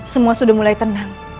semua sudah mulai tenang